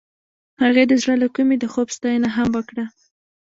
هغې د زړه له کومې د خوب ستاینه هم وکړه.